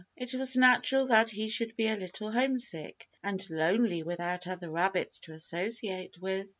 It was natural that he should be a bit homesick and lonely without other rabbits to associate with.